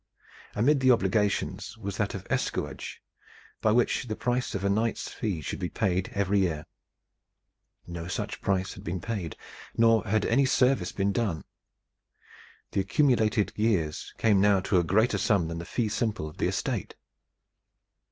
Amid the obligations was that of escuage, by which the price of a knight's fee should be paid every year. No such price had been paid, nor had any service been done. The accumulated years came now to a greater sum than the fee simple of the estate.